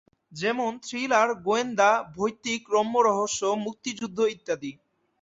যেমন থ্রিলার, গোয়েন্দা, ভৌতিক, রম্য, রহস্য, মুক্তিযুদ্ধ ইত্যাদি।